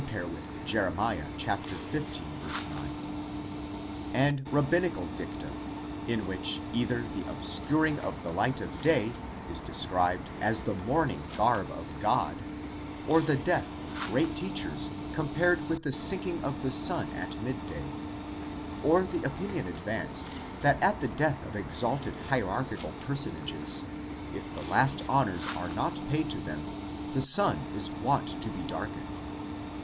Jer. xv. 9) and rabbinical dicta, in which either the obscuring of the light of day is de scribed as the mourning garb of God,' or the death of great teachers compared with the sinking of the sun at mid day,® or the opinion advanced that at the death of exalted hierarchical personages, if the last honours are not paid to them, the sun is wont to be darkened.